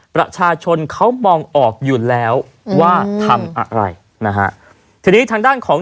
ประชาชนเขามองออกอยู่แล้วว่าทำอะไรนะฮะทีนี้ทางด้านของ